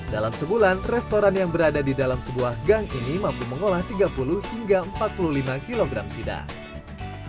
dalam sebulan restoran yang berada di dalam sebuah gang ini mampu mengolah tiga puluh hingga empat puluh lima kg sidat